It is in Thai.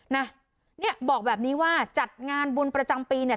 นะเนี่ยบอกแบบนี้ว่าจัดงานบุญประจำปีเนี่ย